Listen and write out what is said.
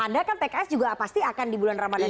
anda kan pks juga pasti akan di bulan ramadhan